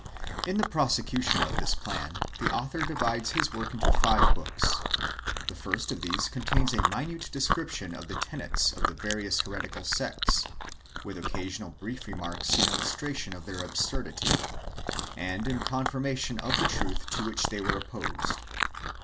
In the prosecution of this plan, the author divides his work into five books. The first of these contains a minate descrip tion of the tenets of the various heretical sects, with occasional brief remarks in illustration of their absurdity, and in con firmation of the truth to which they were opposed.